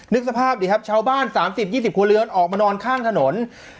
นึกสภาพดิครับชาวบ้านสามสิบยี่สิบครัวเรือนออกมานอนข้างถนน